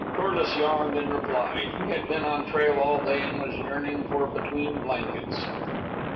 Corliss yawned in reply. He had been on trail all day and was yearning for between blankets.